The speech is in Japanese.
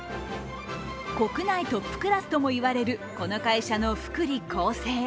国内トップクラスともいわれるこの会社の福利厚生。